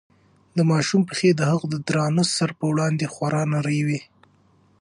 د ماشوم پښې د هغه د درانه سر په وړاندې خورا نرۍ وې.